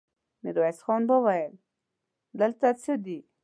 ميرويس خان وويل: دلته څه دي؟